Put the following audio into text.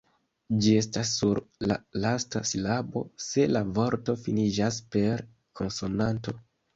Ĝi estas sur la lasta silabo, se la vorto finiĝas per konsonanto.